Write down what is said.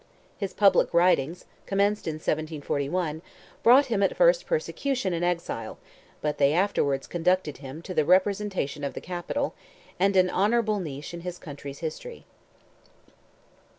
His public writings, commenced in 1741, brought him at first persecution and exile, but they afterwards conducted him to the representation of the capital, and an honourable niche in his country's history.